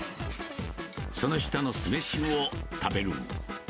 その下の酢飯を食べる。